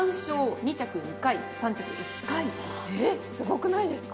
・えっすごくないですか？